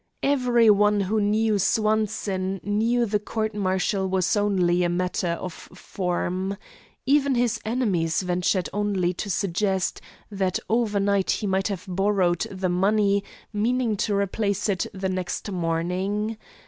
Every one who knew Swanson knew the court martial was only a matter of form. Even his enemies ventured only to suggest that overnight he might have borrowed the money, meaning to replace it the next morning.